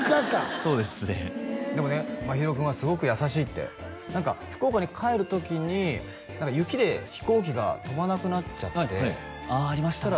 そうですねでも真宙くんはすごく優しいって何か福岡に帰る時に雪で飛行機が飛ばなくなっちゃってはいはいあありましたね